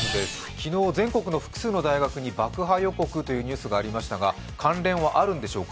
昨日、全国の複数の大学に爆破予告というニュースがありましたが、関連はあるのでしょうか。